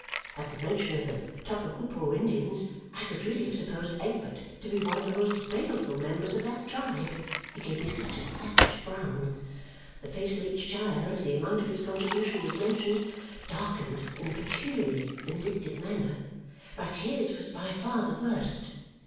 At the mention of the Tockahoopo Indians, I could really have supposed Egbert to be one of the most baleful members of that tribe, he gave me such a savage frown. The face of each child, as the amount of his contribution was mentioned, darkened in a peculiarly vindictive manner, but his was by far the worst.